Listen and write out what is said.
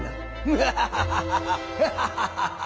ハハハハハハ！